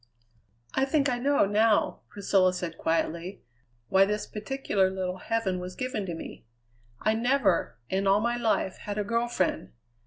"I think I know, now," Priscilla said quietly, "why this particular little heaven was given to me. I never, in all my life, had a girl friend.